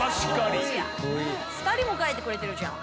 ２人も描いてくれてるじゃん。